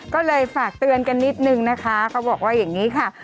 ก็เลยฝากเตือนกันนิดนึงนะคะเขาบอกว่าอย่างนี้ค่ะ